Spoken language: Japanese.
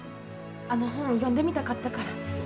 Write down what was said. あの本読んでみたかったから。